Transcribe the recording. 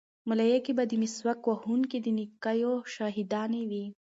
ملایکې به د مسواک وهونکي د نیکیو شاهدانې وي.